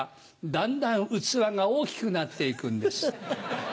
だんだん器が大きくなって行くんです。